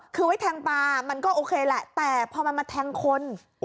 คือไว้แทงปลามันก็โอเคแหละแต่พอมันมาแทงคน